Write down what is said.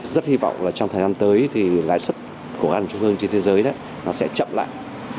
rất hy vọng trong thời gian tới thì lãi xuất của các trung ương trên thế giới sẽ chậm lại